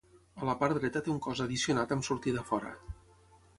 A la part dreta té un cos addicionat amb sortida a fora.